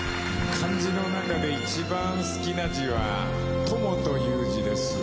漢字の中で一番好きな字は「友」という字です。